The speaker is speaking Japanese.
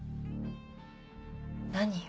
何よ？